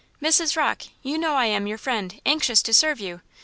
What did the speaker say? "Mrs. Rocke, you know I am your friend, anxious to serve you!